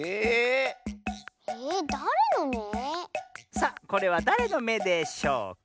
さあこれはだれのめでしょうか？